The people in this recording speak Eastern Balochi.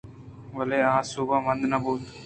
بلے آسوب مند نہ بُوت